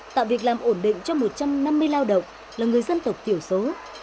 tạo việc làm ổn định cho một trăm năm mươi lao động là người dân tộc thiểu số